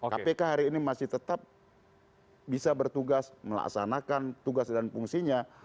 kpk hari ini masih tetap bisa bertugas melaksanakan tugas dan fungsinya